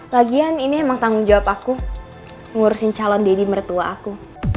lagian ini emang tanggung jawab aku ngurusin calon deddy mertua aku